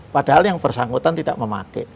padahal yang bersangkutan tidak memakai